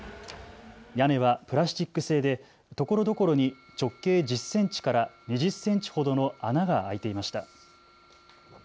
屋根はプラスチック製でところどころに直径１０センチから２０センチほどの穴が開いていました。